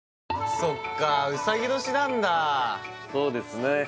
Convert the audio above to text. そっかうさぎ年なんだそうですね